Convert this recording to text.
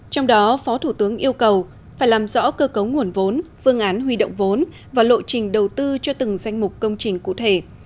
trong đó phó thủ tướng yêu cầu phải làm rõ cơ cấu nguồn vốn phương án huy động vốn và lộ trình đầu tư cho từng danh mục công trình cụ thể